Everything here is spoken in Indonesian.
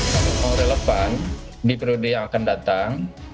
kalau mau relevan di periode yang akan datang